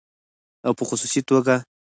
او په خصوصي توګه